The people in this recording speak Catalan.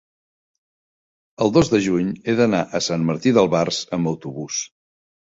el dos de juny he d'anar a Sant Martí d'Albars amb autobús.